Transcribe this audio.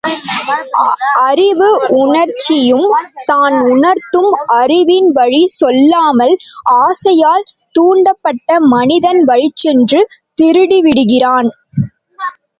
அறிவு உணர்த்தியும், தான் உணர்ந்தும், அறிவின்வழிச் சொல்லாமல், ஆசையால் தூண்டப்பட்ட மனதின் வழிச்சென்று திருடிவிடுகிறான்.